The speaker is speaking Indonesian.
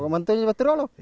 kalau manta ini berapa